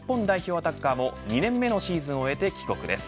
アタッカーも２年目のシーズンを終えて帰国です。